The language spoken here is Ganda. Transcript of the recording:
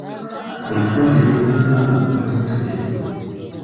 Buli ddwaliro lirina okuba n'ekkeberero.